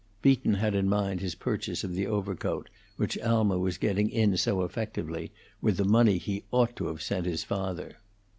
Beaton had in mind his purchase of the overcoat, which Alma was getting in so effectively, with the money he ought to have sent his father.